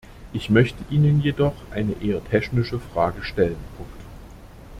Ich möchte Ihnen jedoch eine eher technische Frage stellen.